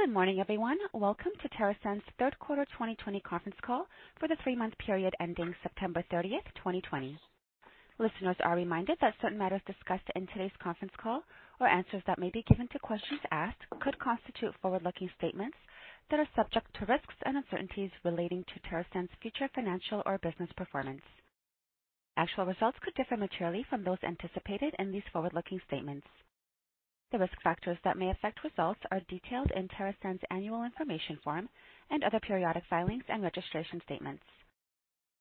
Good morning, everyone. Welcome to TerrAscend's third quarter 2020 conference call for the three-month period ending September 30th, 2020. Listeners are reminded that certain matters discussed in today's conference call, or answers that may be given to questions asked, could constitute forward-looking statements that are subject to risks and uncertainties relating to TerrAscend's future financial or business performance. Actual results could differ materially from those anticipated in these forward-looking statements. The risk factors that may affect results are detailed in TerrAscend's annual information form and other periodic filings and registration statements.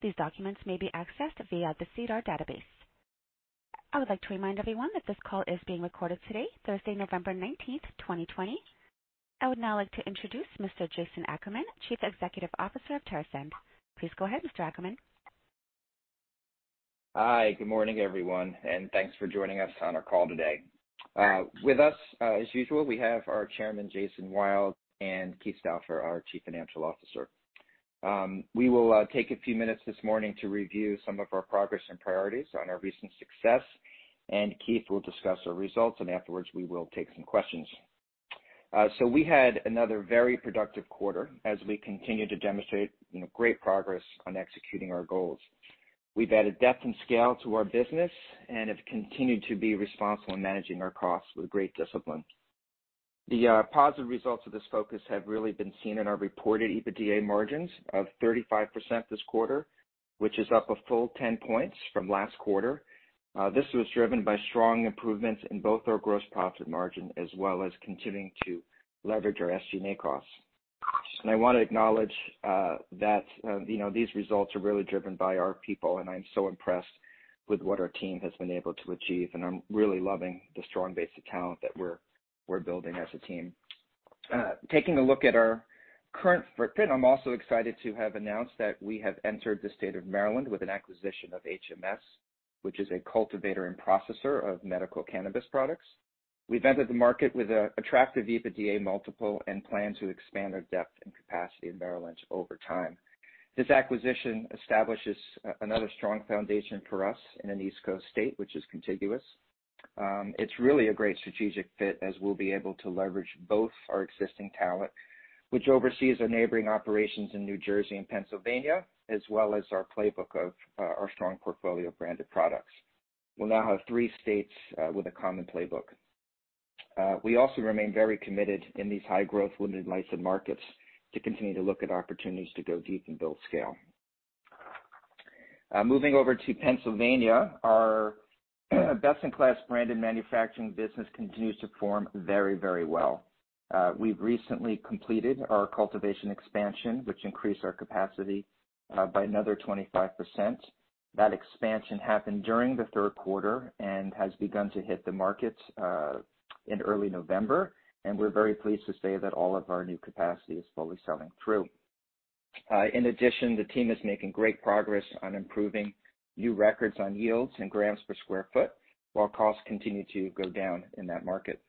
These documents may be accessed via the SEDAR database. I would like to remind everyone that this call is being recorded today, Thursday, November 19th, 2020. I would now like to introduce Mr. Jason Ackerman, Chief Executive Officer of TerrAscend. Please go ahead, Mr. Ackerman. Hi. Good morning, everyone, and thanks for joining us on our call today. With us, as usual, we have our Chairman, Jason Wild, and Keith Stauffer, our Chief Financial Officer. We will take a few minutes this morning to review some of our progress and priorities on our recent success, and Keith will discuss our results, and afterwards we will take some questions. We had another very productive quarter as we continue to demonstrate great progress on executing our goals. We've added depth and scale to our business and have continued to be responsible in managing our costs with great discipline. The positive results of this focus have really been seen in our reported EBITDA margins of 35% this quarter, which is up a full 10 points from last quarter. This was driven by strong improvements in both our gross profit margin, as well as continuing to leverage our SG&A costs. I want to acknowledge that these results are really driven by our people, and I'm so impressed with what our team has been able to achieve, and I'm really loving the strong base of talent that we're building as a team. Taking a look at our current footprint, I'm also excited to have announced that we have entered the state of Maryland with an acquisition of HMS, which is a cultivator and processor of medical cannabis products. We've entered the market with an attractive EBITDA multiple and plan to expand our depth and capacity in Merrill Lynch over time. This acquisition establishes another strong foundation for us in an East Coast state, which is contiguous. It's really a great strategic fit as we'll be able to leverage both our existing talent, which oversees our neighboring operations in New Jersey and Pennsylvania, as well as our playbook of our strong portfolio of branded products. We'll now have three states with a common playbook. We also remain very committed in these high-growth limited licensed markets to continue to look at opportunities to go deep and build scale. Moving over to Pennsylvania, our best-in-class branded manufacturing business continues to perform very well. We've recently completed our cultivation expansion, which increased our capacity by another 25%. That expansion happened during the third quarter and has begun to hit the markets in early November, and we're very pleased to say that all of our new capacity is fully selling through. In addition, the team is making great progress on improving new records on yields and grams per square foot, while costs continue to go down in that market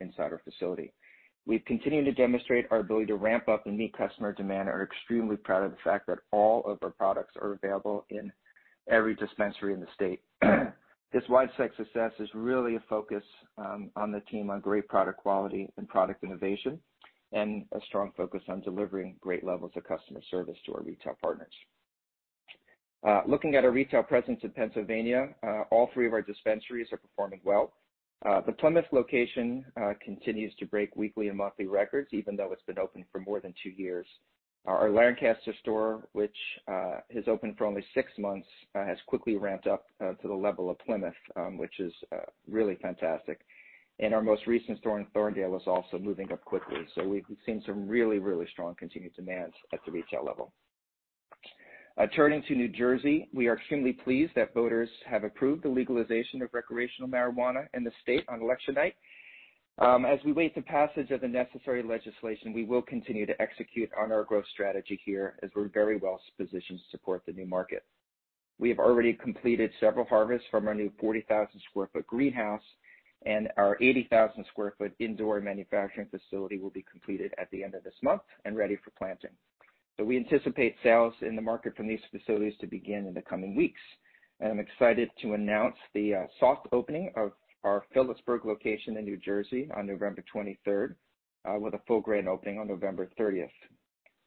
inside our facility. We've continued to demonstrate our ability to ramp up and meet customer demand, and are extremely proud of the fact that all of our products are available in every dispensary in the state. This widespread success is really a focus on the team, on great product quality and product innovation, and a strong focus on delivering great levels of customer service to our retail partners. Looking at our retail presence in Pennsylvania, all three of our dispensaries are performing well. The Plymouth location continues to break weekly and monthly records, even though it's been open for more than two years. Our Lancaster store, which has opened for only six months, has quickly ramped up to the level of Plymouth, which is really fantastic. Our most recent store in Thorndale is also moving up quickly. We've seen some really strong continued demands at the retail level. Turning to New Jersey, we are extremely pleased that voters have approved the legalization of recreational marijuana in the state on election night. As we await the passage of the necessary legislation, we will continue to execute on our growth strategy here as we're very well-positioned to support the new market. We have already completed several harvests from our new 40,000 sq ft greenhouse, and our 80,000 sq ft indoor manufacturing facility will be completed at the end of this month and ready for planting. We anticipate sales in the market from these facilities to begin in the coming weeks. I'm excited to announce the soft opening of our Phillipsburg location in New Jersey on November 23rd, with a full grand opening on November 30th.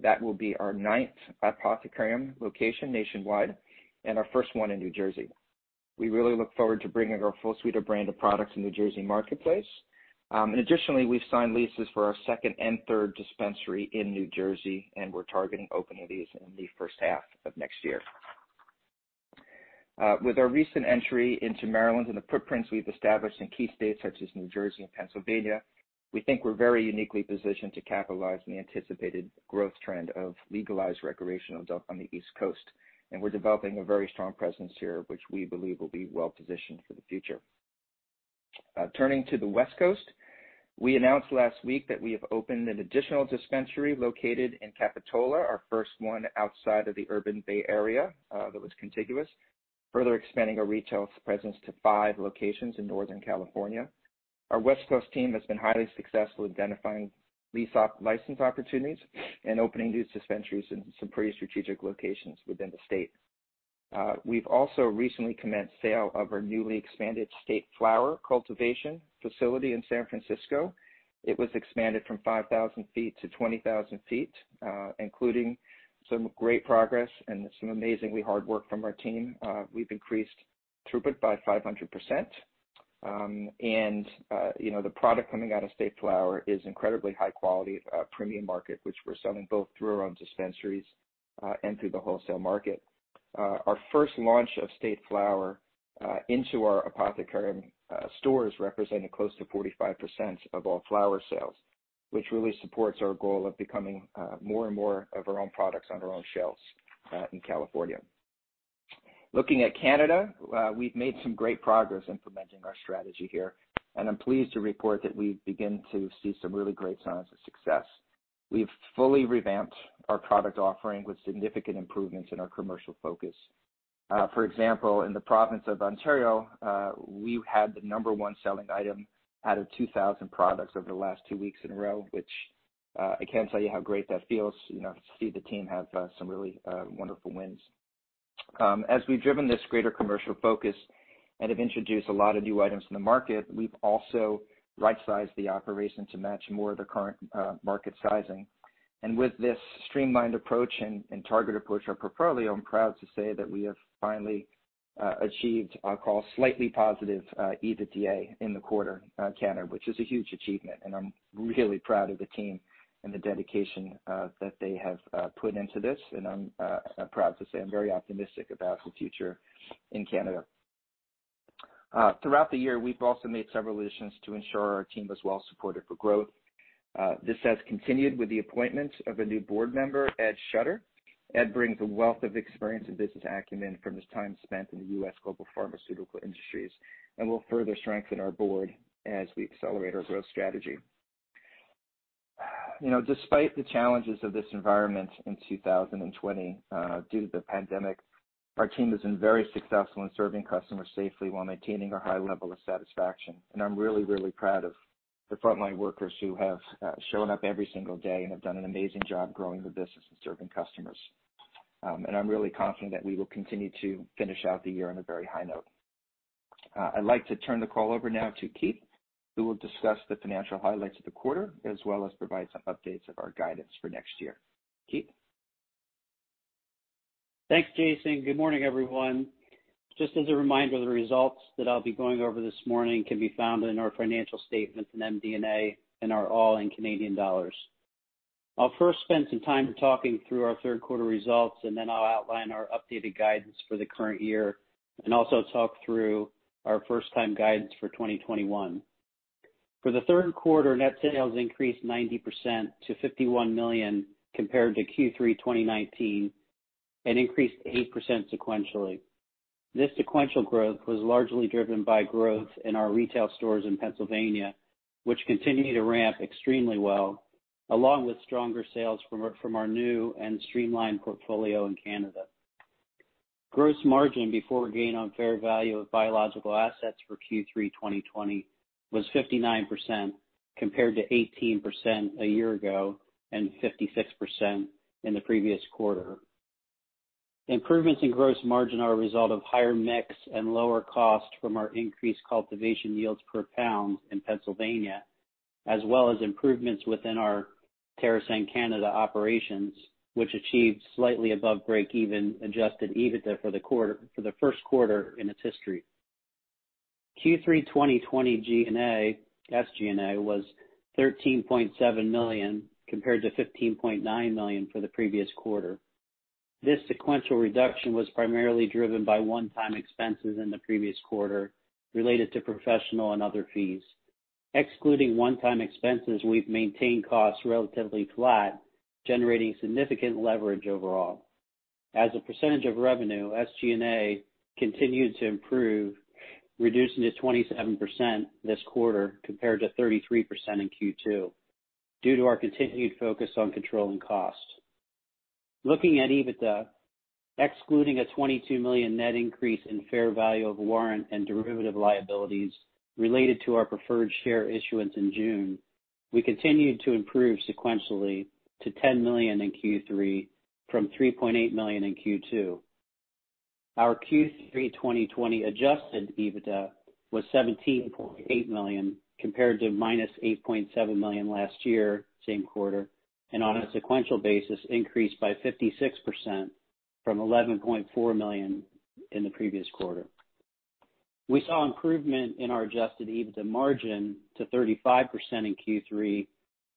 That will be our 9th Apothecarium location nationwide and our first one in New Jersey. We really look forward to bringing our full suite of branded products in the New Jersey marketplace. Additionally, we've signed leases for our 2nd and 3rd dispensary in New Jersey, and we're targeting opening these in the first half of next year. With our recent entry into Maryland and the footprints we've established in key states such as New Jersey and Pennsylvania, we think we're very uniquely positioned to capitalize on the anticipated growth trend of legalized recreational adult on the East Coast, and we're developing a very strong presence here, which we believe will be well-positioned for the future. Turning to the West Coast, we announced last week that we have opened an additional dispensary located in Capitola, our first one outside of the urban bay area that was contiguous, further expanding our retail presence to five locations in Northern California. Our West Coast team has been highly successful identifying lease license opportunities and opening new dispensaries in some pretty strategic locations within the state. We've also recently commenced sale of our newly expanded State Flower cultivation facility in San Francisco. It was expanded from 5,000 ft-20,000 ft, including some great progress and some amazingly hard work from our team. We've increased throughput by 500%. The product coming out of State Flower is incredibly high quality, premium market, which we're selling both through our own dispensaries, and through the wholesale market. Our first launch of State Flower into our Apothecarium stores represented close to 45% of all flower sales, which really supports our goal of becoming more and more of our own products on our own shelves in California. Looking at Canada, we've made some great progress implementing our strategy here. I'm pleased to report that we begin to see some really great signs of success. We've fully revamped our product offering with significant improvements in our commercial focus. For example, in the province of Ontario, we had the number one selling item out of 2,000 products over the last two weeks in a row, which I can't tell you how great that feels, to see the team have some really wonderful wins. As we've driven this greater commercial focus and have introduced a lot of new items in the market, we've also right sized the operation to match more of the current market sizing. With this streamlined approach and target approach of [portfolio], I'm proud to say that we have finally achieved, I'll call, slightly positive EBITDA in the quarter, Canada, which is a huge achievement. I'm really proud of the team and the dedication that they have put into this. I'm proud to say I'm very optimistic about the future in Canada. Throughout the year, we've also made several additions to ensure our team was well supported for growth. This has continued with the appointment of a new board member, Ed Schutter. Ed brings a wealth of experience and business acumen from his time spent in the U.S. global pharmaceutical industries and will further strengthen our board as we accelerate our growth strategy. Despite the challenges of this environment in 2020 due to the pandemic, our team has been very successful in serving customers safely while maintaining a high level of satisfaction. I'm really proud of the frontline workers who have shown up every single day and have done an amazing job growing the business and serving customers. I'm really confident that we will continue to finish out the year on a very high note. I'd like to turn the call over now to Keith, who will discuss the financial highlights of the quarter, as well as provide some updates of our guidance for next year. Keith? Thanks, Jason. Good morning, everyone. Just as a reminder, the results that I'll be going over this morning can be found in our financial statements in MD&A and are all in Canadian dollars. I'll first spend some time talking through our third quarter results, and then I'll outline our updated guidance for the current year and also talk through our first-time guidance for 2021. For the third quarter, net sales increased 90% to 51 million compared to Q3 2019 and increased 8% sequentially. This sequential growth was largely driven by growth in our retail stores in Pennsylvania, which continue to ramp extremely well, along with stronger sales from our new and streamlined portfolio in Canada. Gross margin before gain on fair value of biological assets for Q3 2020 was 59%, compared to 18% a year ago, and 56% in the previous quarter. Improvements in gross margin are a result of higher mix and lower cost from our increased cultivation yields per pound in Pennsylvania, as well as improvements within our TerrAscend Canada operations, which achieved slightly above break even adjusted EBITDA for the first quarter in its history. Q3 2020 SG&A was 13.7 million, compared to 15.9 million for the previous quarter. This sequential reduction was primarily driven by one-time expenses in the previous quarter related to professional and other fees. Excluding one-time expenses, we've maintained costs relatively flat, generating significant leverage overall. As a percentage of revenue, SG&A continued to improve, reducing to 27% this quarter compared to 33% in Q2 due to our continued focus on controlling costs. Looking at EBITDA, excluding a 22 million net increase in fair value of warrant and derivative liabilities related to our preferred share issuance in June, we continued to improve sequentially to 10 million in Q3 from 3.8 million in Q2. Our Q3 2020 adjusted EBITDA was 17.8 million compared to -8.7 million last year, same quarter, and on a sequential basis, increased by 56% from 11.4 million in the previous quarter. We saw improvement in our adjusted EBITDA margin to 35% in Q3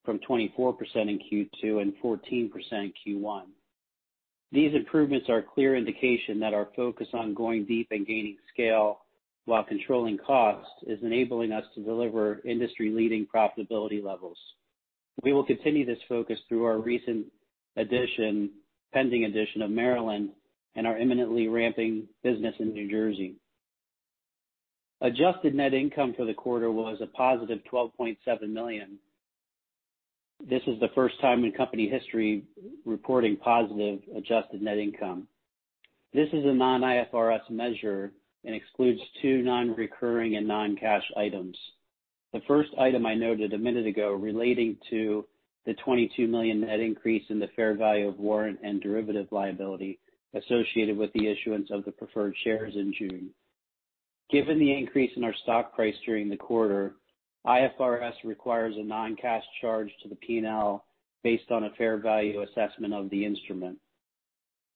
from 24% in Q2 and 14% in Q1. These improvements are a clear indication that our focus on going deep and gaining scale while controlling cost is enabling us to deliver industry-leading profitability levels. We will continue this focus through our recent pending addition of Maryland and our imminently ramping business in New Jersey. Adjusted net income for the quarter was a positive 12.7 million. This is the first time in company history reporting positive adjusted net income. This is a non-IFRS measure and excludes two non-recurring and non-cash items. The first item I noted a minute ago relating to the 22 million net increase in the fair value of warrant and derivative liability associated with the issuance of the preferred shares in June. Given the increase in our stock price during the quarter, IFRS requires a non-cash charge to the P&L based on a fair value assessment of the instrument.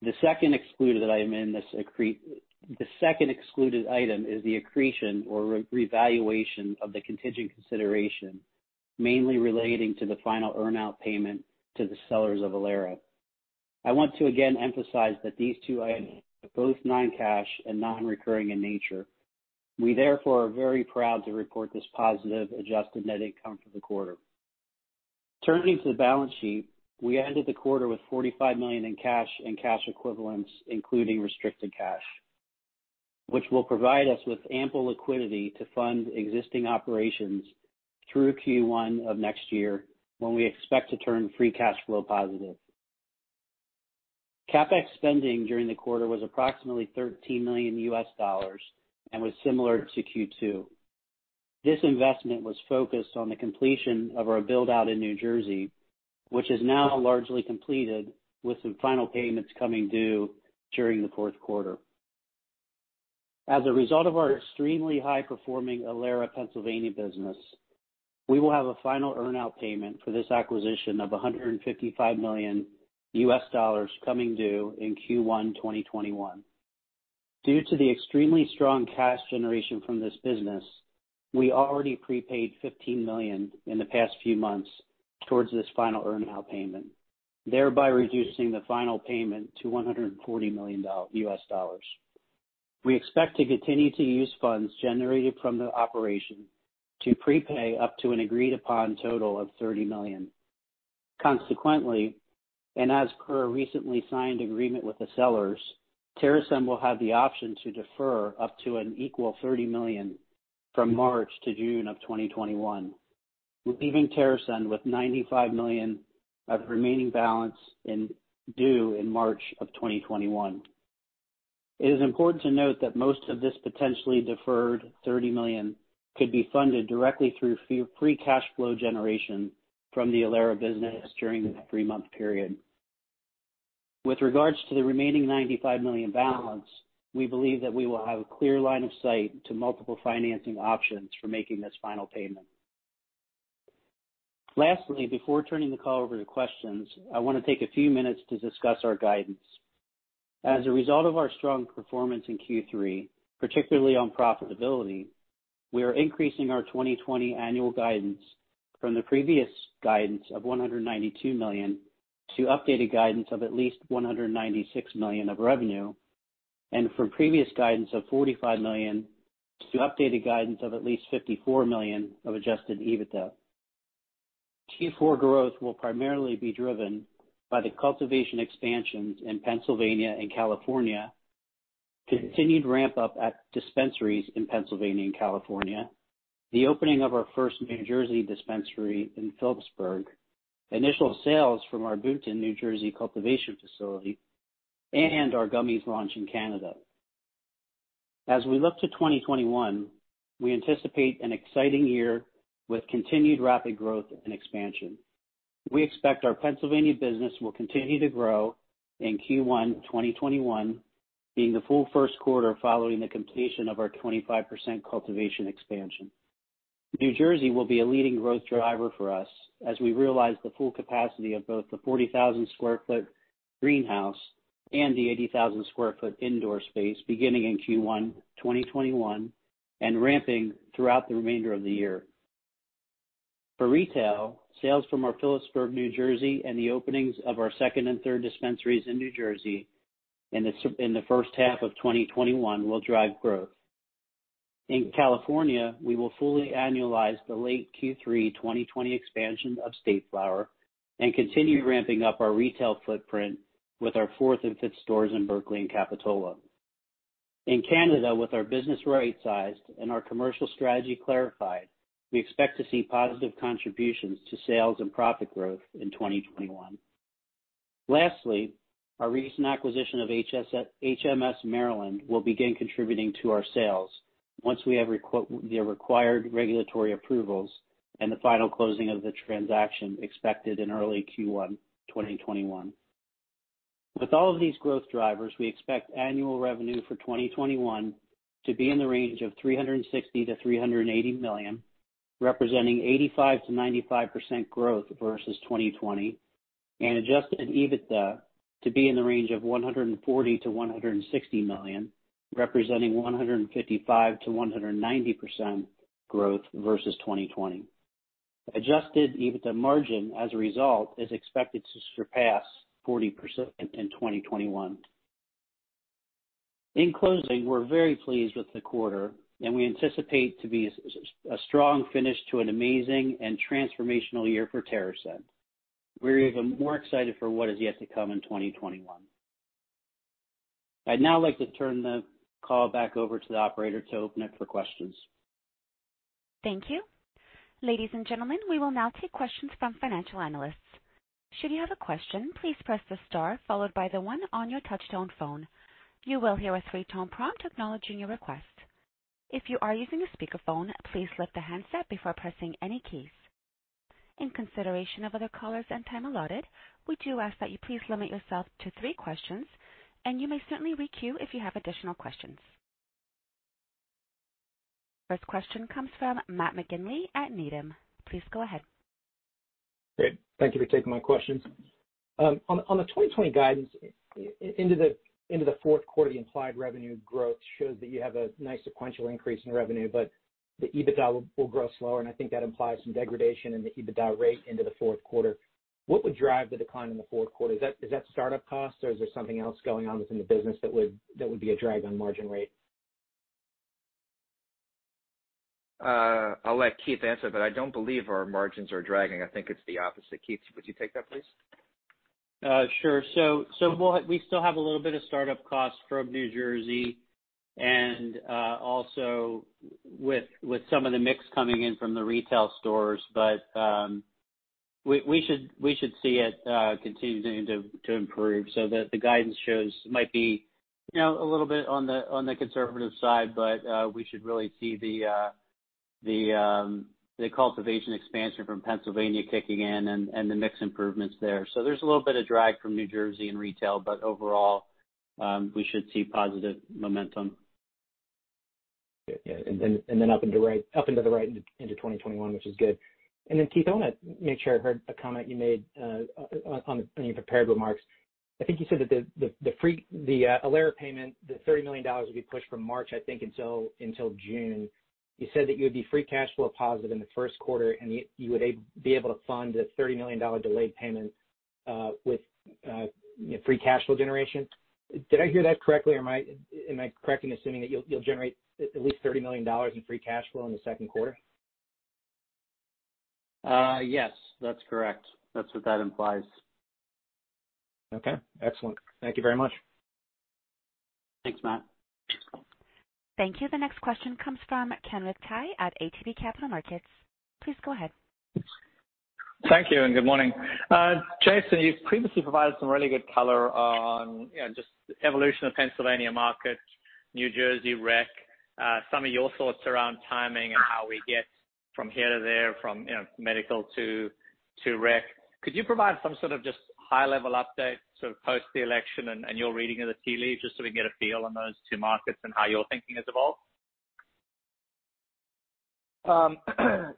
The second excluded item is the accretion or revaluation of the contingent consideration, mainly relating to the final earn-out payment to the sellers of [Ilera]. I want to again emphasize that these two items are both non-cash and non-recurring in nature. We therefore are very proud to report this positive adjusted net income for the quarter. Turning to the balance sheet, we ended the quarter with 45 million in cash and cash equivalents, including restricted cash, which will provide us with ample liquidity to fund existing operations through Q1 of next year, when we expect to turn free cash flow positive. CapEx spending during the quarter was approximately $13 million and was similar to Q2. This investment was focused on the completion of our build-out in New Jersey, which is now largely completed, with some final payments coming due during the fourth quarter. As a result of our extremely high-performing Ilera Pennsylvania business, we will have a final earn-out payment for this acquisition of $155 million coming due in Q1 2021. Due to the extremely strong cash generation from this business, we already prepaid $15 million in the past few months towards this final earn-out payment, thereby reducing the final payment to $140 million. We expect to continue to use funds generated from the operation to prepay up to an agreed-upon total of $30 million. Consequently, as per a recently signed agreement with the sellers, TerrAscend will have the option to defer up to an equal 30 million from March to June of 2021, leaving TerrAscend with 95 million of remaining balance due in March of 2021. It is important to note that most of this potentially deferred 30 million could be funded directly through free cash flow generation from the Ilera business during the three-month period. With regards to the remaining 95 million balance, we believe that we will have a clear line of sight to multiple financing options for making this final payment. Before turning the call over to questions, I want to take a few minutes to discuss our guidance. As a result of our strong performance in Q3, particularly on profitability, we are increasing our 2020 annual guidance from the previous guidance of 192 million to updated guidance of at least 196 million of revenue, and from previous guidance of 45 million to updated guidance of at least 54 million of adjusted EBITDA. Q4 growth will primarily be driven by the cultivation expansions in Pennsylvania and California, continued ramp-up at dispensaries in Pennsylvania and California, the opening of our first New Jersey dispensary in Phillipsburg, initial sales from our Boonton, New Jersey cultivation facility, and our gummies launch in Canada. As we look to 2021, we anticipate an exciting year with continued rapid growth and expansion. We expect our Pennsylvania business will continue to grow in Q1 2021, being the full first quarter following the completion of our 25% cultivation expansion. New Jersey will be a leading growth driver for us as we realize the full capacity of both the 40,000 sq ft greenhouse and the 80,000 sq ft indoor space beginning in Q1 2021 and ramping throughout the remainder of the year. For retail, sales from our Phillipsburg, New Jersey, and the openings of our second and third dispensaries in New Jersey in the first half of 2021 will drive growth. In California, we will fully annualize the late Q3 2020 expansion of State Flower and continue ramping up our retail footprint with our fourth and fifth stores in Berkeley and Capitola. In Canada, with our business right-sized and our commercial strategy clarified, we expect to see positive contributions to sales and profit growth in 2021. Lastly, our recent acquisition of HMS Health will begin contributing to our sales once we have the required regulatory approvals and the final closing of the transaction expected in early Q1 2021. With all of these growth drivers, we expect annual revenue for 2021 to be in the range of 360 million-380 million, representing 85%-95% growth versus 2020, and adjusted EBITDA to be in the range of 140 million-160 million, representing 155%-190% growth versus 2020. Adjusted EBITDA margin as a result is expected to surpass 40% in 2021. In closing, we're very pleased with the quarter, and we anticipate to be a strong finish to an amazing and transformational year for TerrAscend. We're even more excited for what is yet to come in 2021. I'd now like to turn the call back over to the operator to open it for questions. Thank you. Ladies and gentlemen, we will now take questions from financial analysts. Should you have a question, please press the star followed by the one on your touch-tone phone. You will hear a three-tone prompt acknowledging your request. If you are using a speakerphone, please lift the handset before pressing any keys. In consideration of other callers and time allotted, we do ask that you please limit yourself to three questions. You may certainly re-queue if you have additional questions. First question comes from Matt McGinley at Needham. Please go ahead. Great. Thank you for taking my questions. On the 2020 guidance into the fourth quarter, the implied revenue growth shows that you have a nice sequential increase in revenue, but the EBITDA will grow slower, and I think that implies some degradation in the EBITDA rate into the fourth quarter. What would drive the decline in the fourth quarter? Is that startup costs, or is there something else going on within the business that would be a drag on margin rate? I'll let Keith answer, but I don't believe our margins are dragging. I think it's the opposite. Keith, would you take that, please? Sure. We still have a little bit of startup costs from New Jersey and also with some of the mix coming in from the retail stores. We should see it continuing to improve so that the guidance shows might be a little bit on the conservative side, but we should really see the cultivation expansion from Pennsylvania kicking in and the mix improvements there. There's a little bit of drag from New Jersey and retail, but overall, we should see positive momentum. Yeah. Up into the right into 2021, which is good. Keith, I want to make sure I heard a comment you made in your prepared remarks. I think you said that the Ilera payment, the 30 million dollars would be pushed from March, I think, until June. You said that you would be free cash flow positive in the first quarter, and you would be able to fund the 30 million dollar delayed payment with free cash flow generation. Did I hear that correctly, or am I correct in assuming that you'll generate at least 30 million dollars in free cash flow in the second quarter? Yes, that's correct. That's what that implies. Okay. Excellent. Thank you very much. Thanks, Matt. Thank you. The next question comes from Kenric Tyghe at ATB Capital Markets. Please go ahead. Thank you. Good morning. Jason, you've previously provided some really good color on just the evolution of Pennsylvania market, New Jersey rec. Some of your thoughts around timing and how we get from here to there, from medical to rec. Could you provide some sort of just high-level update, sort of post the election and your reading of the tea leaves, just so we can get a feel on those two markets and how your thinking has evolved?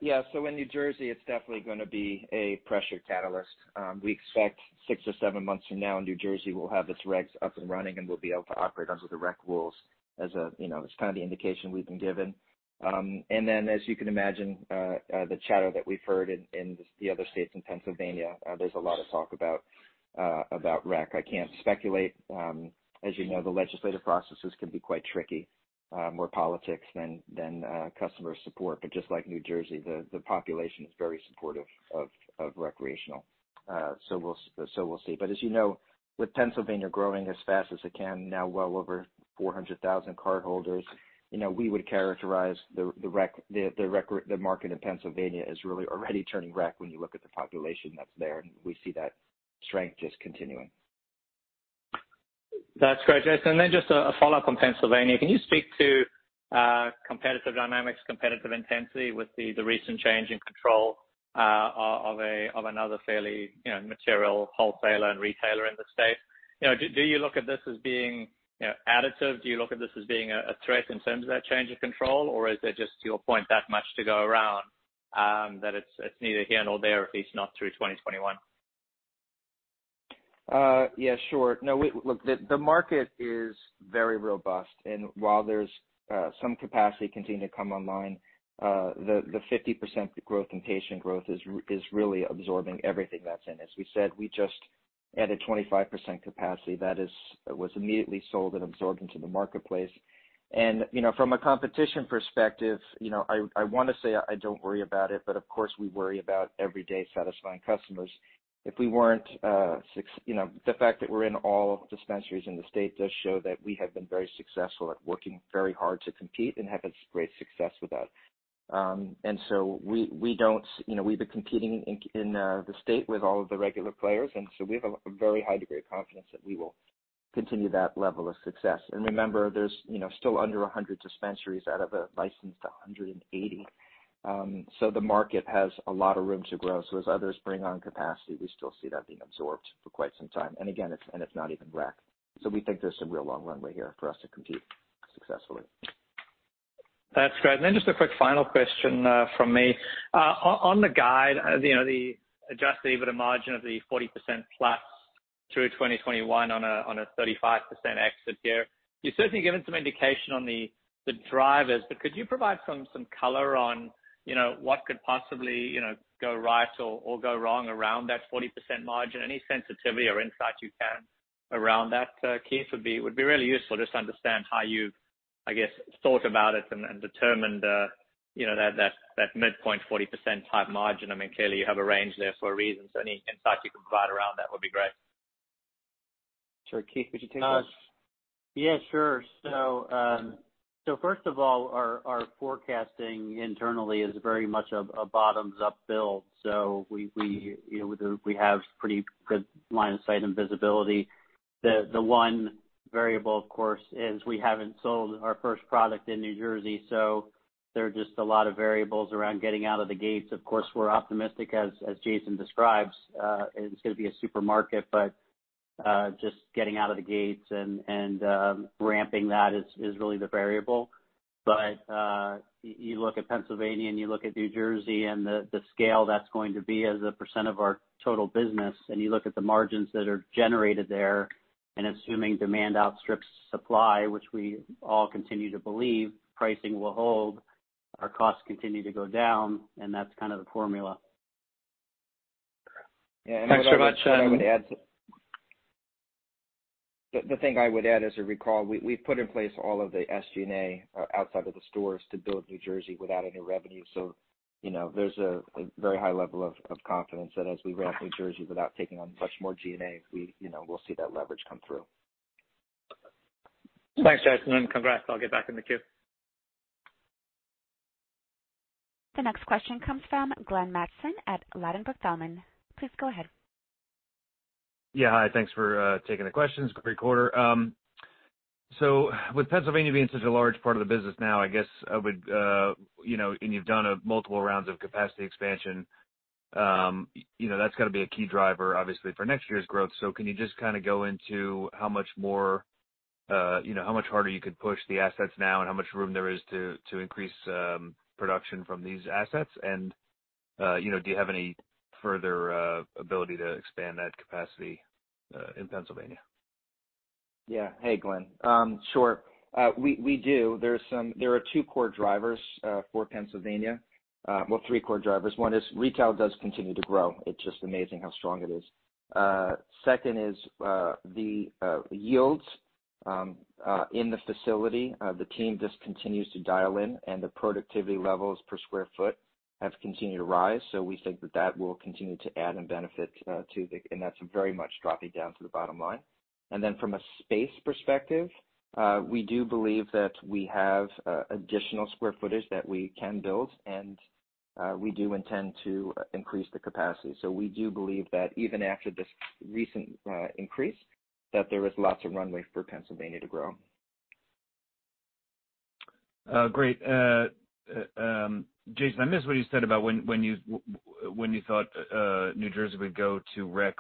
Yeah. In New Jersey, it's definitely going to be a pressure catalyst. We expect six to seven months from now, New Jersey will have its recs up and running, and we'll be able to operate under the rec rules. It's kind of the indication we've been given. As you can imagine, the chatter that we've heard in the other states, in Pennsylvania, there's a lot of talk about rec. I can't speculate. As you know, the legislative processes can be quite tricky. More politics than customer support. Just like New Jersey, the population is very supportive of recreational. We'll see. As you know, with Pennsylvania growing as fast as it can now, well over 400,000 cardholders, we would characterize the market in Pennsylvania as really already turning rec when you look at the population that's there, and we see that strength just continuing. That's great, Jason. Then just a follow-up on Pennsylvania. Can you speak to competitive dynamics, competitive intensity with the recent change in control of another fairly material wholesaler and retailer in the state? Do you look at this as being additive? Do you look at this as being a threat in terms of that change of control, or is there just, to your point, that much to go around that it's neither here nor there, at least not through 2021? Yeah, sure. No, look, the market is very robust, and while there's some capacity continuing to come online, the 50% growth in patient growth is really absorbing everything that's in. As we said, we just added 25% capacity. That was immediately sold and absorbed into the marketplace. From a competition perspective, I want to say I don't worry about it, but of course, we worry about every day satisfying customers. The fact that we're in all dispensaries in the state does show that we have been very successful at working very hard to compete and have great success with that. We've been competing in the state with all of the regular players, we have a very high degree of confidence that we will continue that level of success. Remember, there's still under 100 dispensaries out of a licensed 180. The market has a lot of room to grow. As others bring on capacity, we still see that being absorbed for quite some time. Again, and it's not even rec. We think there's some real long runway here for us to compete successfully. That's great. Just a quick final question from me. On the guide, the adjusted EBITDA margin of the 40+% through 2021 on a 35% exit here. You've certainly given some indication on the drivers, could you provide some color on what could possibly go right or go wrong around that 40% margin? Any sensitivity or insight you can around that, Keith, would be really useful just to understand how you've, I guess, thought about it and determined that midpoint 40% type margin. I mean, clearly you have a range there for a reason, so any insight you can provide around that would be great. Sure. Keith, would you take that? Yeah, sure. First of all, our forecasting internally is very much a bottoms-up build. We have pretty good line of sight and visibility. The one variable, of course, is we haven't sold our first product in New Jersey, so there are just a lot of variables around getting out of the gates. Of course, we're optimistic, as Jason describes, it's going to be a supermarket, but just getting out of the gates and ramping that is really the variable. You look at Pennsylvania and you look at New Jersey and the scale that's going to be as a percent of our total business, and you look at the margins that are generated there, and assuming demand outstrips supply, which we all continue to believe, pricing will hold. Our costs continue to go down, and that's kind of the formula. The thing I would add, as you recall, we've put in place all of the SG&A outside of the stores to build New Jersey without any revenue. There's a very high level of confidence that as we ramp New Jersey without taking on much more G&A, we'll see that leverage come through. Thanks, Jason, and congrats. I'll get back in the queue. The next question comes from Glenn Mattson at Ladenburg Thalmann. Please go ahead. Yeah. Hi, thanks for taking the questions. Great quarter. With Pennsylvania being such a large part of the business now, and you've done multiple rounds of capacity expansion, that's got to be a key driver, obviously, for next year's growth. Can you just go into how much harder you could push the assets now and how much room there is to increase production from these assets? Do you have any further ability to expand that capacity in Pennsylvania? Yeah. Hey, Glenn. Sure. We do. There are two core drivers for Pennsylvania. Well, three core drivers. One is retail does continue to grow. It's just amazing how strong it is. Second is the yields in the facility. The team just continues to dial in, and the productivity levels per square foot have continued to rise. We think that that will continue to add and benefit too, and that's very much dropping down to the bottom line. From a space perspective, we do believe that we have additional square footage that we can build, and we do intend to increase the capacity. We do believe that even after this recent increase, that there is lots of runway for Pennsylvania to grow. Great. Jason, I missed what you said about when you thought New Jersey would go to rec,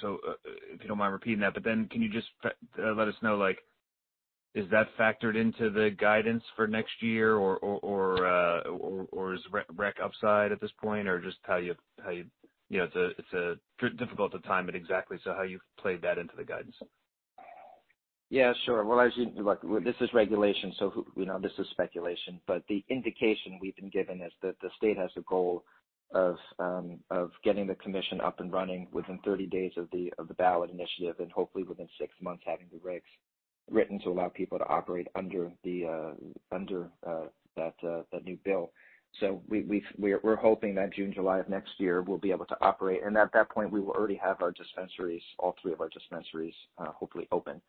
so if you don't mind repeating that. Can you just let us know, is that factored into the guidance for next year, or is rec upside at this point? Just, it's difficult to time it exactly, so how you've played that into the guidance. Yeah, sure. Well, as you look, this is regulation, this is speculation, but the indication we've been given is that the state has the goal of getting the commission up and running within 30 days of the ballot initiative, and hopefully within six months, having the regs written to allow people to operate under that new bill. We're hoping that June, July of next year, we'll be able to operate. At that point, we will already have our dispensaries, all three of our dispensaries, hopefully open.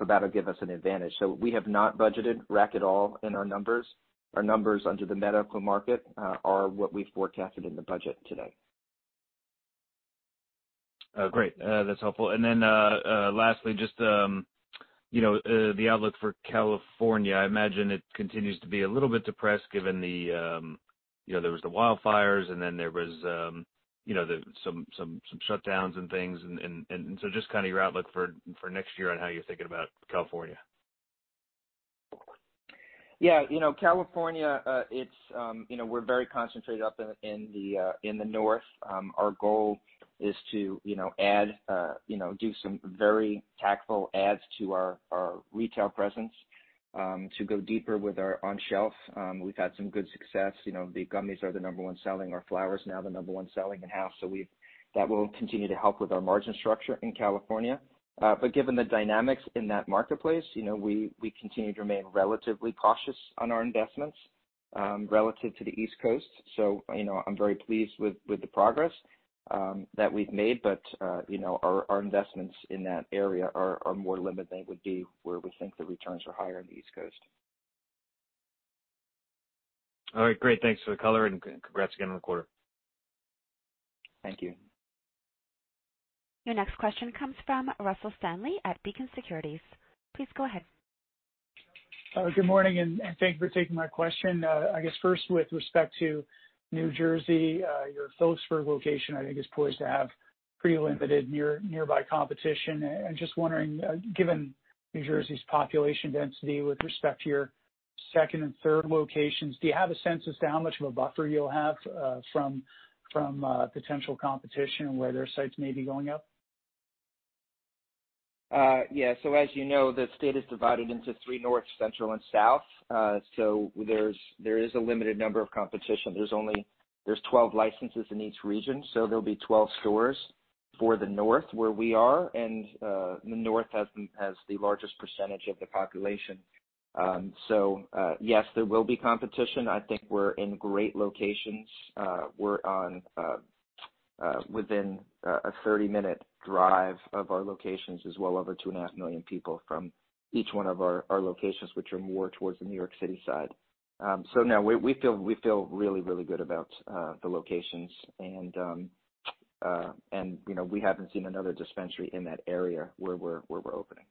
That'll give us an advantage. We have not budgeted rec at all in our numbers. Our numbers under the medical market are what we've forecasted in the budget today. Great. That's helpful. Lastly, just the outlook for California. I imagine it continues to be a little bit depressed given there was the wildfires and then there was some shutdowns and things. Just your outlook for next year on how you're thinking about California. Yeah. California, we're very concentrated up in the north. Our goal is to do some very tactful adds to our retail presence to go deeper with our on shelf. We've had some good success. The gummies are the number one selling. Our flower is now the number one selling in house. That will continue to help with our margin structure in California. Given the dynamics in that marketplace, we continue to remain relatively cautious on our investments relative to the East Coast. I'm very pleased with the progress that we've made. Our investments in that area are more limited than it would be where we think the returns are higher on the East Coast. All right. Great. Thanks for the color, and congrats again on the quarter. Thank you. Your next question comes from Russell Stanley at Beacon Securities. Please go ahead. Good morning. Thank you for taking my question. I guess first, with respect to New Jersey, your Phillipsburg location, I think, is poised to have pretty limited nearby competition. I'm just wondering, given New Jersey's population density with respect to your second and third locations, do you have a sense as to how much of a buffer you'll have from potential competition and where their sites may be going up? Yeah. As you know, the state is divided into three, north, central, and south. There is a limited number of competition. There's 12 licenses in each region, so there'll be 12 stores for the north where we are. The north has the largest percentage of the population. Yes, there will be competition. I think we're in great locations. We're within a 30-minute drive of our locations, as well over 2.5 million people from each one of our locations, which are more towards the New York City side. No, we feel really, really good about the locations and we haven't seen another dispensary in that area where we're opening.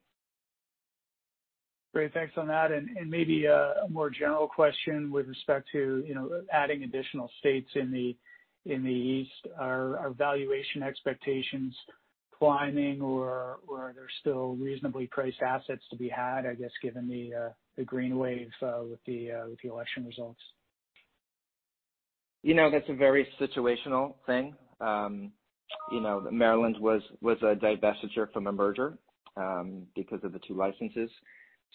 Great. Thanks on that. Maybe a more general question with respect to adding additional states in the East. Are valuation expectations climbing or are there still reasonably priced assets to be had, I guess, given the green wave with the election results? That's a very situational thing. Maryland was a divestiture from a merger, because of the two licenses.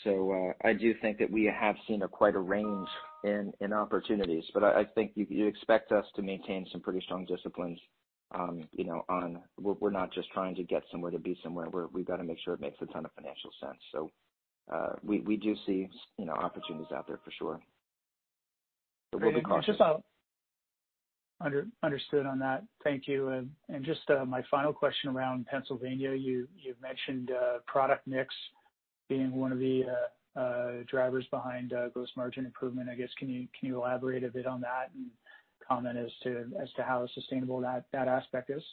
I do think that we have seen quite a range in opportunities. I think you expect us to maintain some pretty strong disciplines. We're not just trying to get somewhere to be somewhere. We've got to make sure it makes a ton of financial sense. We do see opportunities out there for sure. We're being cautious. Understood on that. Thank you. Just my final question around Pennsylvania. You mentioned product mix being one of the drivers behind gross margin improvement. I guess, can you elaborate a bit on that and comment as to how sustainable that aspect is?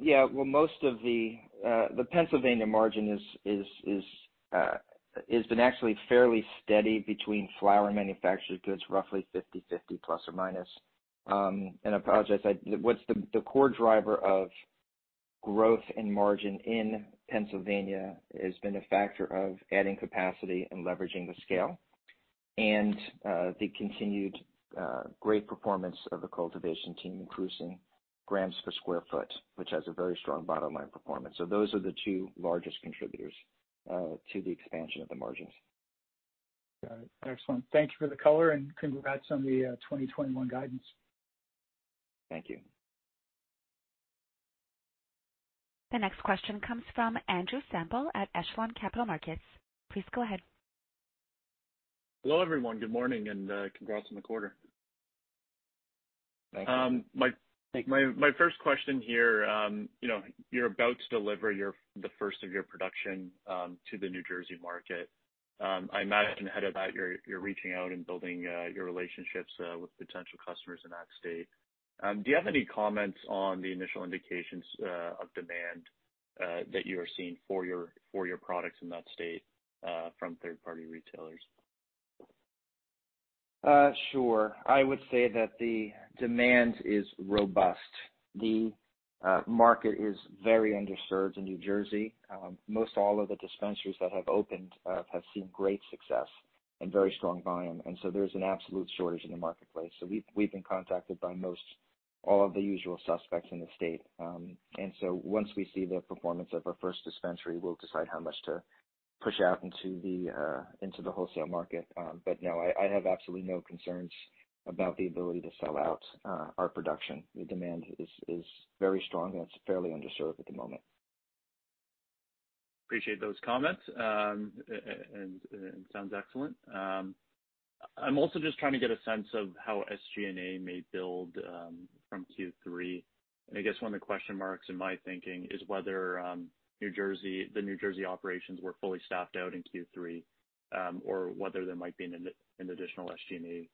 Yeah. Well, most of the Pennsylvania margin has been actually fairly steady between flower and manufactured goods, roughly 50/50, plus or minus. I apologize, the core driver of growth and margin in Pennsylvania has been a factor of adding capacity and leveraging the scale, and the continued great performance of the cultivation team increasing grams per square foot, which has a very strong bottom-line performance. Those are the two largest contributors to the expansion of the margins. Got it. Excellent. Thank you for the color and congrats on the 2021 guidance. Thank you. The next question comes from Andrew Semple at Echelon Capital Markets. Please go ahead. Hello, everyone. Good morning and congrats on the quarter. Thank you. My first question here. You're about to deliver the first of your production to the New Jersey market. I imagine ahead of that, you're reaching out and building your relationships with potential customers in that state. Do you have any comments on the initial indications of demand that you are seeing for your products in that state from third-party retailers? Sure. I would say that the demand is robust. The market is very underserved in New Jersey. Most all of the dispensaries that have opened have seen great success and very strong volume. There's an absolute shortage in the marketplace. We've been contacted by most all of the usual suspects in the state. Once we see the performance of our first dispensary, we'll decide how much to push out into the wholesale market. No, I have absolutely no concerns about the ability to sell out our production. The demand is very strong and it's fairly underserved at the moment. Appreciate those comments, sounds excellent. I'm also just trying to get a sense of how SG&A may build from Q3. I guess one of the question marks in my thinking is whether the New Jersey operations were fully staffed out in Q3, or whether there might be an additional SG&A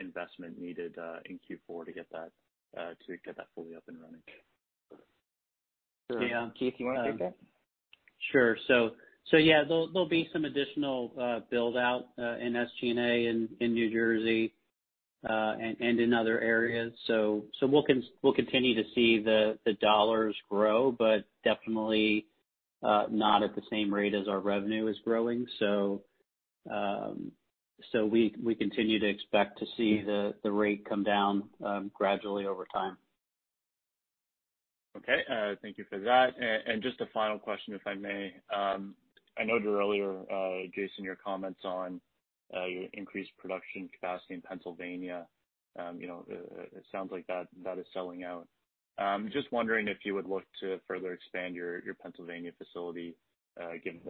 investment needed in Q4 to get that fully up and running. Keith, you want to take that? Sure. Yeah, there'll be some additional build-out in SG&A in New Jersey, and in other areas. We'll continue to see the dollars grow, but definitely not at the same rate as our revenue is growing. We continue to expect to see the rate come down gradually over time. Okay, thank you for that. Just a final question, if I may. I noted earlier, Jason, your comments on your increased production capacity in Pennsylvania. It sounds like that is selling out. I am just wondering if you would look to further expand your Pennsylvania facility, given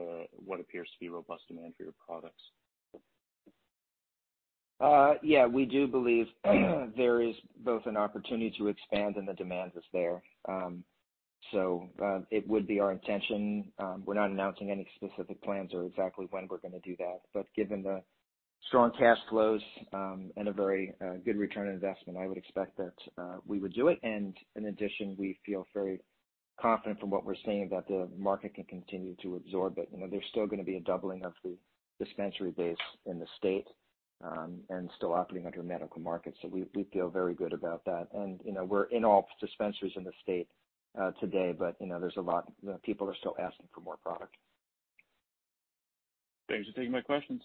what appears to be robust demand for your products. Yeah, we do believe there is both an opportunity to expand, and the demand is there. It would be our intention. We're not announcing any specific plans or exactly when we're going to do that. Given the strong cash flows and a very good return on investment, I would expect that we would do it. In addition, we feel very confident from what we're seeing that the market can continue to absorb it. There's still going to be a doubling of the dispensary base in the state, and still operating under a medical market. We feel very good about that. We're in all dispensaries in the state today, but there's a lot. People are still asking for more product. Thanks for taking my questions.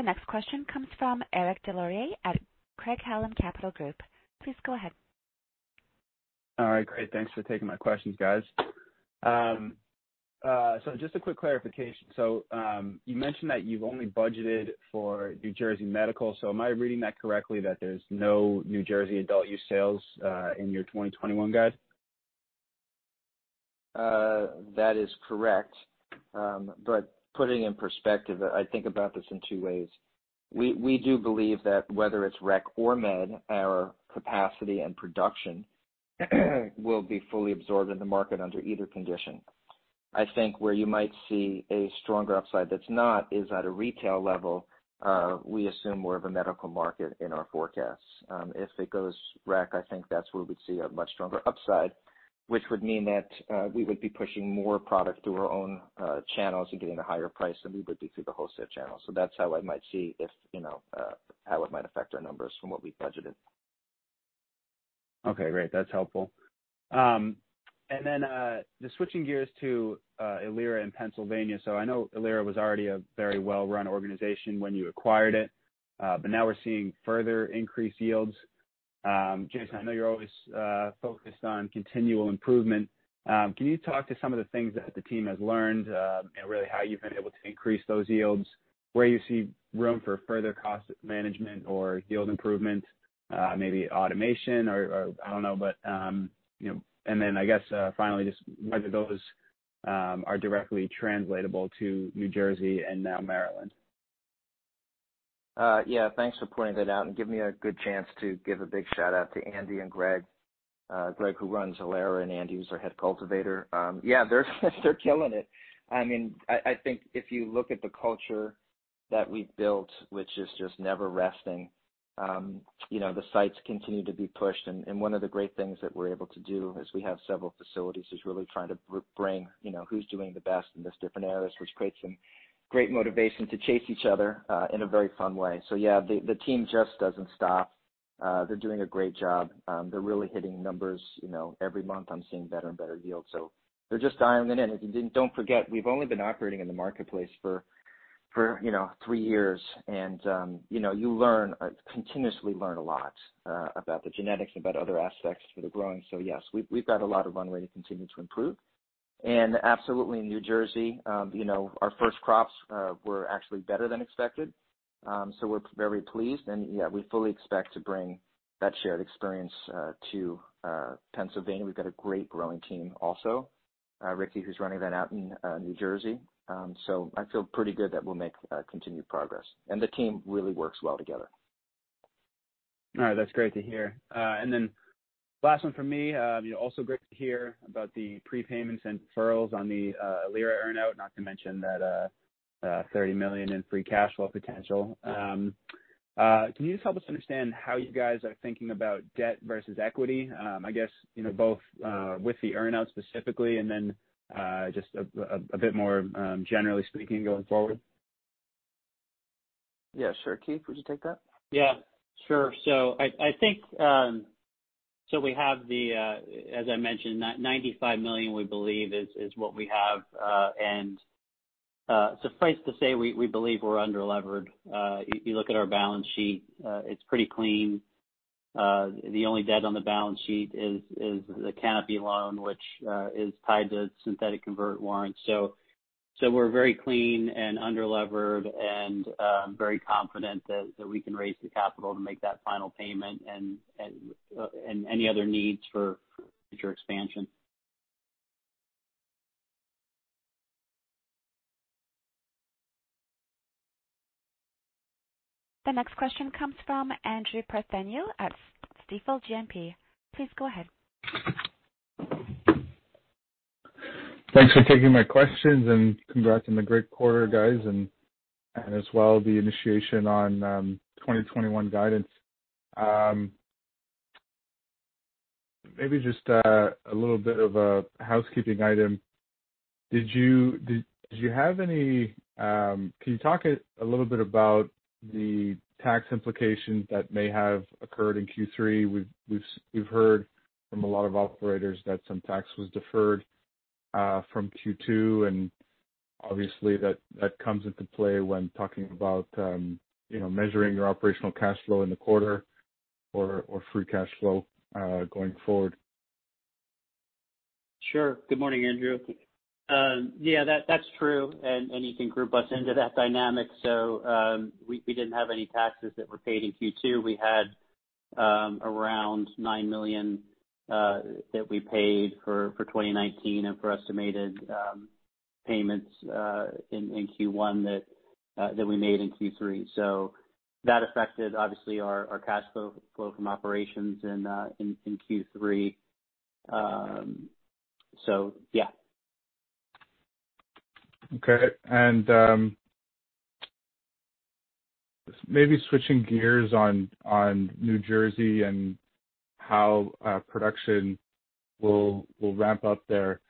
The next question comes from Eric Des Lauriers at Craig-Hallum Capital Group. Please go ahead. All right, great. Thanks for taking my questions, guys. Just a quick clarification. You mentioned that you've only budgeted for New Jersey medical, so am I reading that correctly that there's no New Jersey adult use sales in your 2021 guide? That is correct. Putting in perspective, I think about this in two ways. We do believe that whether it's rec or med, our capacity and production will be fully absorbed in the market under either condition. I think where you might see a stronger upside that's not is at a retail level, we assume more of a medical market in our forecasts. If it goes rec, I think that's where we'd see a much stronger upside, which would mean that we would be pushing more product through our own channels and getting a higher price than we would be through the wholesale channel. That's how I might see how it might affect our numbers from what we budgeted. Okay, great. That's helpful. Then, just switching gears to Ilera in Pennsylvania. I know Ilera was already a very well-run organization when you acquired it. Now we're seeing further increased yields. Jason, I know you're always focused on continual improvement. Can you talk to some of the things that the team has learned, and really how you've been able to increase those yields, where you see room for further cost management or yield improvement, maybe automation, or I don't know. Then, I guess, finally, just whether those are directly translatable to New Jersey and now Maryland. Thanks for pointing that out and giving me a good chance to give a big shout-out to Andy and Greg. Greg, who runs Ilera, and Andy, who's our head cultivator. They're killing it. I think if you look at the culture that we've built, which is just never resting. The sites continue to be pushed, and one of the great things that we're able to do is we have several facilities, is really trying to bring who's doing the best in those different areas, which creates some great motivation to chase each other in a very fun way. The team just doesn't stop. They're doing a great job. They're really hitting numbers. Every month I'm seeing better and better yields. They're just dialing it in. Don't forget, we've only been operating in the marketplace for three years, and you continuously learn a lot about the genetics and about other aspects for the growing. Yes, we've got a lot of runway to continue to improve. Absolutely, in New Jersey, our first crops were actually better than expected. We're very pleased and yeah, we fully expect to bring that shared experience to Pennsylvania. We've got a great growing team also. Ricky, who's running that out in New Jersey. I feel pretty good that we'll make continued progress. The team really works well together. All right, that's great to hear. Last one from me, also great to hear about the prepayments and deferrals on the Ilera earn-out, not to mention that 30 million in free cash flow potential. Can you just help us understand how you guys are thinking about debt versus equity? I guess, both with the earn-out specifically and then just a bit more generally speaking going forward. Yeah, sure. Keith, would you take that? Yeah, sure. I think we have, as I mentioned, 95 million we believe is what we have. Suffice to say, we believe we're under-levered. If you look at our balance sheet, it's pretty clean. The only debt on the balance sheet is the Canopy loan, which is tied to synthetic convert warrants. We're very clean and under-levered and very confident that we can raise the capital to make that final payment and any other needs for future expansion. The next question comes from Andrew Partheniou at Stifel GMP. Please go ahead. Thanks for taking my questions. Congrats on the great quarter, guys. As well, the initiation on 2021 guidance. Maybe just a little bit of a housekeeping item. Can you talk a little bit about the tax implications that may have occurred in Q3? We've heard from a lot of operators that some tax was deferred from Q2. Obviously, that comes into play when talking about measuring your operational cash flow in the quarter or free cash flow going forward. Sure. Good morning, Andrew. Yeah, that's true. You can group us into that dynamic. We didn't have any taxes that were paid in Q2. We had around 9 million that we paid for 2019 and for estimated payments in Q1 that we made in Q3. That affected, obviously, our cash flow from operations in Q3. Yeah. Okay. Maybe switching gears on New Jersey and how production will ramp up there.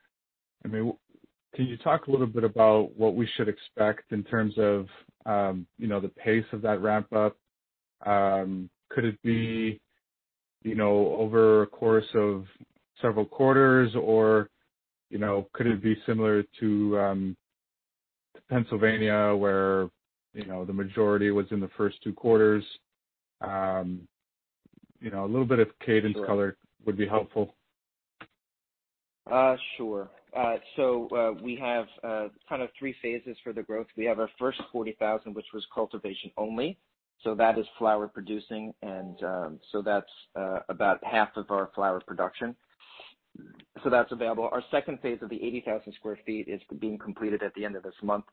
Can you talk a little bit about what we should expect in terms of the pace of that ramp-up? Could it be over a course of several quarters, or could it be similar to Pennsylvania, where the majority was in the first two quarters? A little bit of cadence color would be helpful. Sure. We have kind of 3 phases for the growth. We have our first 40,000, which was cultivation only. That is flower producing, and that's about half of our flower production. That's available. Our second phase of the 80,000 sq ft is being completed at the end of this month.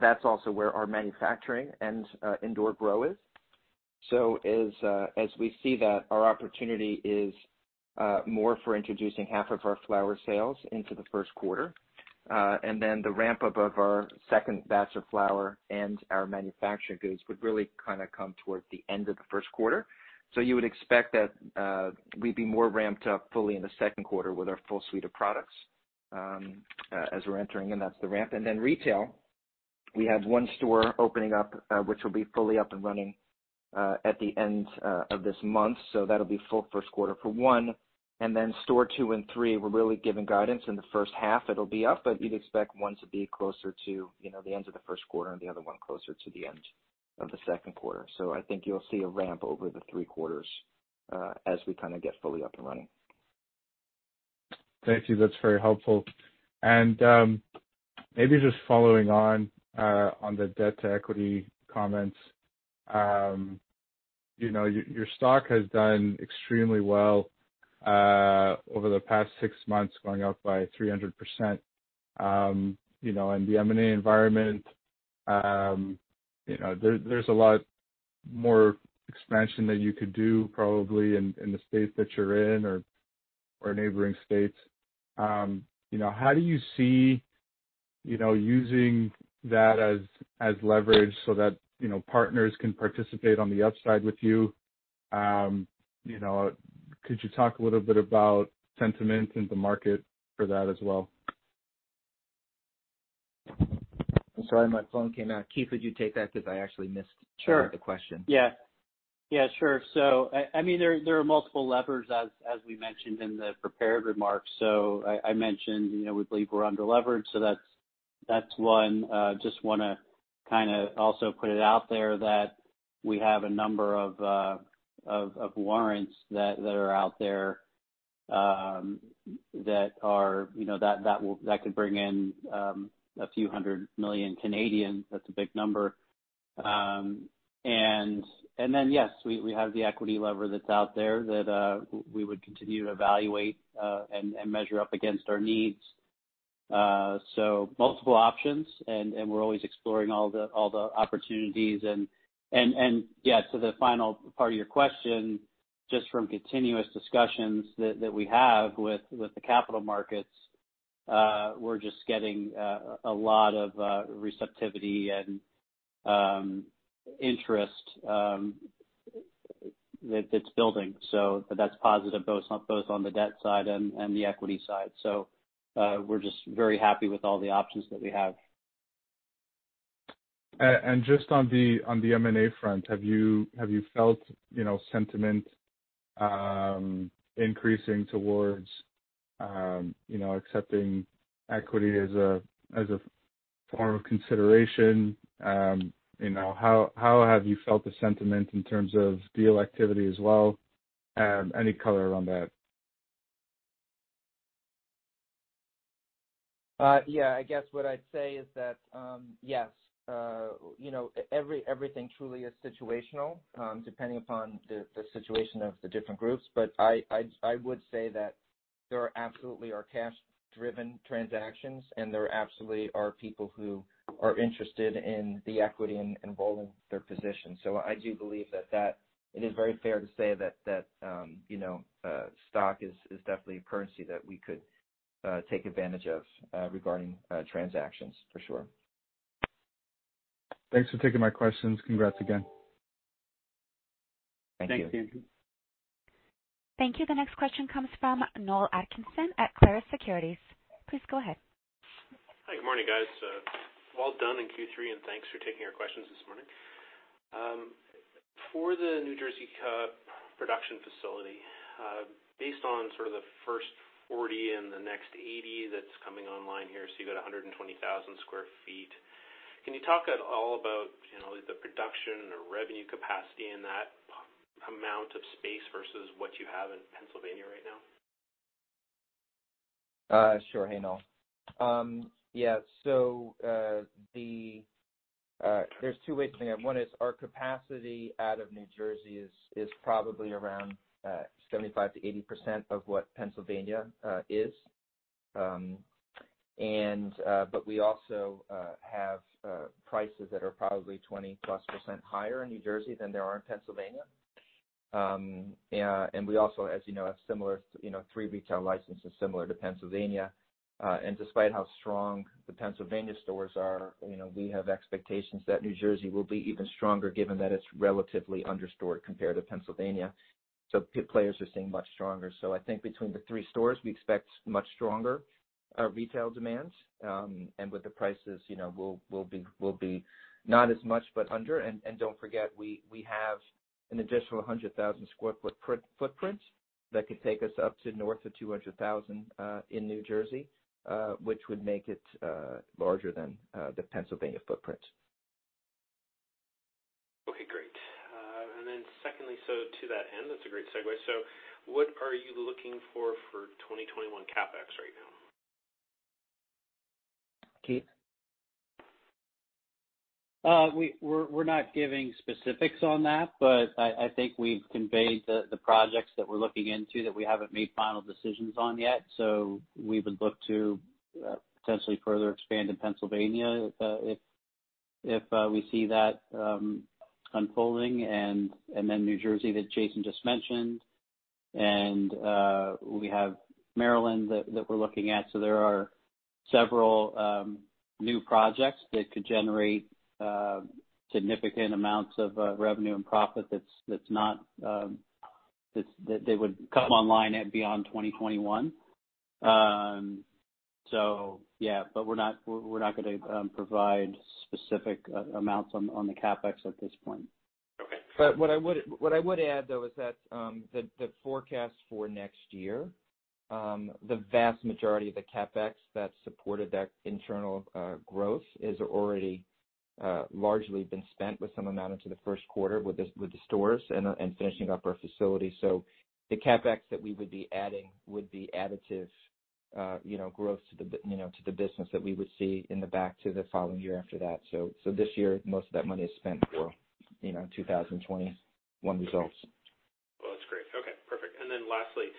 That's also where our manufacturing and indoor grow is. As we see that our opportunity is more for introducing half of our flower sales into the first quarter. The ramp-up of our second batch of flower and our manufactured goods would really kind of come towards the end of the first quarter. You would expect that we'd be more ramped up fully in the second quarter with our full suite of products as we're entering, and that's the ramp. Retail, we have one store opening up, which will be fully up and running at the end of this month. That'll be full first quarter for one, and then store two and three, we're really giving guidance in the first half. It'll be up, but you'd expect one to be closer to the end of the first quarter and the other one closer to the end of the second quarter. I think you'll see a ramp over the three quarters as we kind of get fully up and running. Thank you. That's very helpful. Maybe just following on the debt-to-equity comments. Your stock has done extremely well over the past six months, going up by 300%. In the M&A environment, there's a lot more expansion that you could do probably in the state that you're in or neighboring states. How do you see using that as leverage so that partners can participate on the upside with you? Could you talk a little bit about sentiment in the market for that as well? I'm sorry, my phone came out. Keith, could you take that, because I actually missed. Sure. There are multiple levers, as we mentioned in the prepared remarks. I mentioned, we believe we're under-leveraged, so that's one. I just want to kind of also put it out there that we have a number of warrants that are out there that could bring in a few hundred million CAD. That's a big number. Yes, we have the equity lever that's out there that we would continue to evaluate and measure up against our needs. Multiple options, and we're always exploring all the opportunities. To the final part of your question, just from continuous discussions that we have with the capital markets, we're just getting a lot of receptivity and interest that's building. That's positive, both on the debt side and the equity side. We're just very happy with all the options that we have. Just on the M&A front, have you felt sentiment increasing towards accepting equity as a form of consideration? How have you felt the sentiment in terms of deal activity as well? Any color around that? I guess what I'd say is that, yes, everything truly is situational, depending upon the situation of the different groups. I would say that there absolutely are cash-driven transactions, and there absolutely are people who are interested in the equity and rolling their position. I do believe that it is very fair to say that stock is definitely a currency that we could take advantage of regarding transactions, for sure. Thanks for taking my questions. Congrats again. Thank you. Thanks, Andrew. Thank you. The next question comes from Noel Atkinson at Clarus Securities. Please go ahead. Hi. Good morning, guys. Well done in Q3, and thanks for taking our questions this morning. For the New Jersey production facility, based on sort of the first 40 and the next 80 that's coming online here, so you've got 120,000 sq ft. Can you talk at all about the production or revenue capacity in that amount of space versus what you have in Pennsylvania right now? Sure. Hey, Noel. Yeah. There's two ways to think of it. One is our capacity out of New Jersey is probably around 75%-80% of what Pennsylvania is. We also have prices that are probably 20+% higher in New Jersey than they are in Pennsylvania. We also, as you know, have three retail licenses similar to Pennsylvania. Despite how strong the Pennsylvania stores are, we have expectations that New Jersey will be even stronger given that it's relatively under-stored compared to Pennsylvania. Players are seeing much stronger. I think between the three stores, we expect much stronger retail demands. With the prices, we'll be not as much, but under. Don't forget, we have an additional 100,000 sq ft footprint hat could take us up to north of 200,000 sq ft in New Jersey, which would make it larger than the Pennsylvania footprint. Okay, great. Secondly, to that end, that's a great segue. What are you looking for for 2021 CapEx right now? Keith? We're not giving specifics on that, but I think we've conveyed the projects that we're looking into that we haven't made final decisions on yet. We would look to potentially further expand in Pennsylvania, if we see that unfolding, and then New Jersey that Jason just mentioned. We have Maryland that we're looking at. There are several new projects that could generate significant amounts of revenue and profit that they would come online at beyond 2021. Yeah. We're not going to provide specific amounts on the CapEx at this point. Okay. What I would add, though, is that the forecast for next year, the vast majority of the CapEx that supported that internal growth is already largely been spent with some amount into the first quarter with the stores and finishing up our facility. The CapEx that we would be adding would be additive growth to the business that we would see in the back to the following year after that. This year, most of that money is spent for 2021 results. Well, that's great. Okay, perfect. Lastly,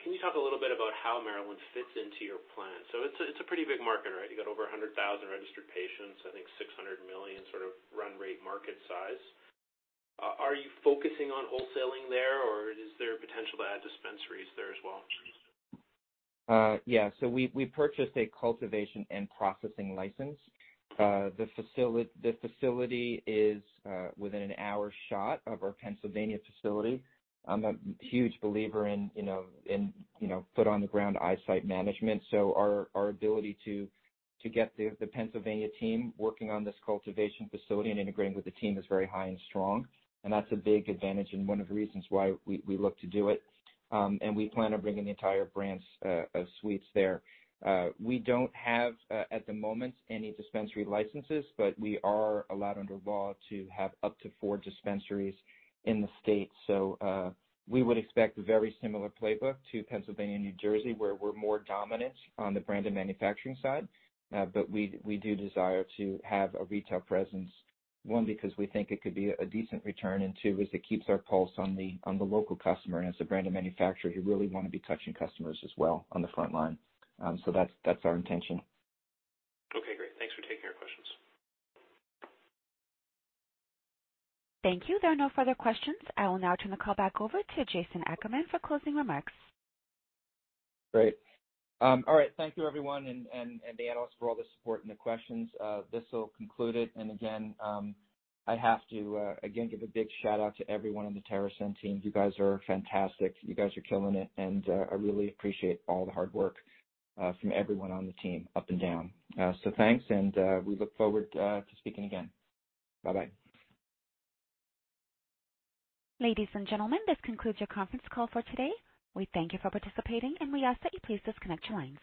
can you talk a little bit about how Maryland fits into your plan? It's a pretty big market, right? You got over 100,000 registered patients, I think 600 million sort of run rate market size. Are you focusing on wholesaling there, or is there potential to add dispensaries there as well? Yeah. We purchased a cultivation and processing license. The facility is within an hour shot of our Pennsylvania facility. I'm a huge believer in foot-on-the-ground ey\esight management. Our ability to get the Pennsylvania team working on this cultivation facility and integrating with the team is very high and strong, and that's a big advantage and one of the reasons why we look to do it. We plan on bringing the entire brand suites there. We don't have, at the moment, any dispensary licenses, but we are allowed under law to have up to four dispensaries in the state. We would expect very similar playbook to Pennsylvania and New Jersey, where we're more dominant on the brand and manufacturing side. We do desire to have a retail presence, one, because we think it could be a decent return, and two, is it keeps our pulse on the local customer, and as a brand and manufacturer, you really want to be touching customers as well on the front line. That's our intention. Okay, great. Thanks for taking our questions. Thank you. There are no further questions. I will now turn the call back over to Jason Ackerman for closing remarks. Great. All right. Thank you everyone, and the analysts for all the support and the questions. This will conclude it. Again, I have to, again, give a big shout-out to everyone on the TerrAscend team. You guys are fantastic. You guys are killing it, and I really appreciate all the hard work from everyone on the team up and down. Thanks, and we look forward to speaking again. Bye-bye. Ladies and gentlemen, this concludes your conference call for today. We thank you for participating, and we ask that you please disconnect your lines.